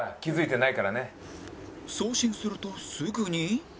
送信するとすぐに